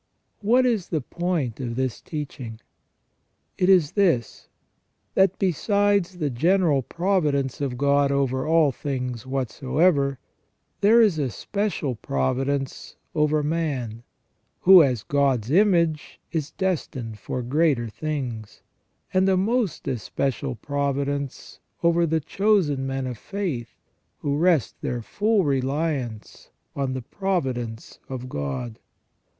What is the point of this teaching ? It is this, that besides the general providence of God over all things whatsoever, there is a special providence over man, who as God's image is destined for greater things, and a most especial providence over the chosen men of faith who rest their full reliance on the providence of God.